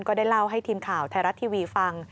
ก็ได้เล่าให้ทีมข่าวไทยรัฐทีวีฟัง